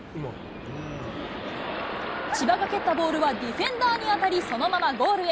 千葉が蹴ったボールはディフェンダーに当たり、そのままゴールへ。